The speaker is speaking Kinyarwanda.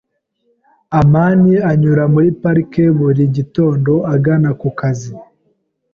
amani anyura muri parike buri gitondo agana ku kazi.